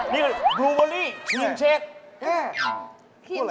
นี่คือบรูบอรี่ทีมชีส